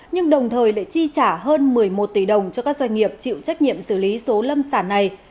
nhưng đồng thời lại chi trả hơn một mươi một tỷ đồng cho các doanh nghiệp chịu trách nhiệm xử lý số lâm sản này